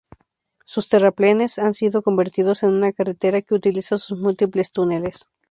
Sus terraplenes han sido convertidos en una carretera que utiliza sus múltiples túneles.